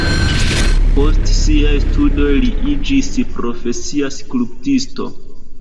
Post siaj studoj li iĝis profesia skulptisto.